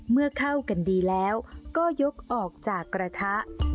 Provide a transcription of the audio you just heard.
เมื่อเข้ากันดีแล้วก็ยกออกจากกระทะ